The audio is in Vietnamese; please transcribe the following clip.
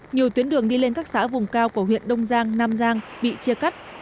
nhiều tuyến đường đi lên các xã vùng cao của huyện đông giang nam giang bị chia cắt